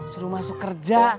suruh masuk kerja